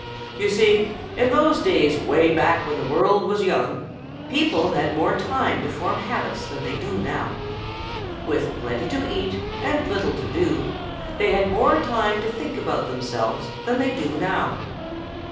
"You see, in those days way back when the world was young, people had more time to form habits than they do now. With plenty to eat and little to do, they had more time to think about themselves than they do now.